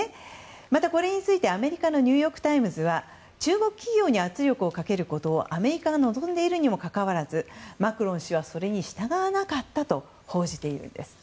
また、これについてアメリカのニューヨーク・タイムズは中国企業に圧力をかけることをアメリカが望んでいるにもかかわらずマクロン氏はそれに従わなかったと報じているんです。